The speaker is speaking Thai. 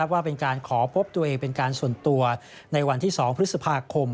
ว่าเป็นการขอพบตัวเองเป็นการส่วนตัวในวันที่๒พฤษภาคม